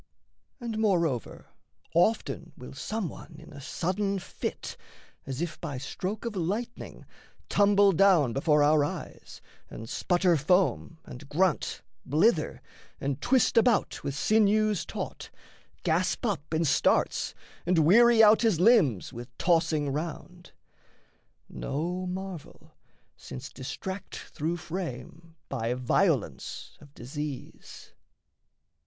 And, moreover, Often will some one in a sudden fit, As if by stroke of lightning, tumble down Before our eyes, and sputter foam, and grunt, Blither, and twist about with sinews taut, Gasp up in starts, and weary out his limbs With tossing round. No marvel, since distract Through frame by violence of disease.